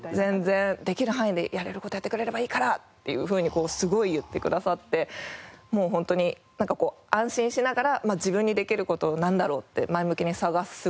できる範囲でやれる事やってくれればいいからっていうふうにすごい言ってくださってもう本当に安心しながら自分にできる事なんだろうって前向きに探す事ができましたね。